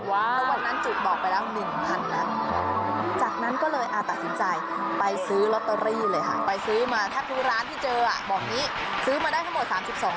ตอนนั้นจุดบอกไปแล้ว๑๐๐๐นัท